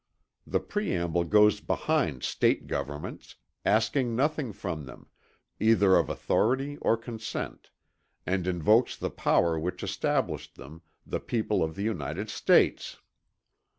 The preamble goes behind State governments, asking nothing from them, either of authority or consent, and invokes the power which established them, the people of the United States.